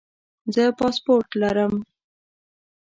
زه پاسپورټ لرم